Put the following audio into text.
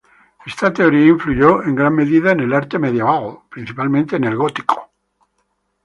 Esta teoría influyó en gran medida en el arte medieval, principalmente el gótico.